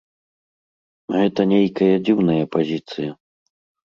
Гэта нейкая дзіўная пазіцыя.